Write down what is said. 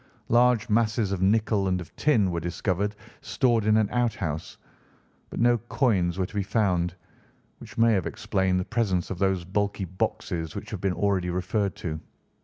Large masses of nickel and of tin were discovered stored in an out house, but no coins were to be found, which may have explained the presence of those bulky boxes which have been already referred to.